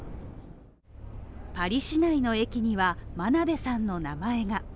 パリ市内の駅には真鍋さんの名前が。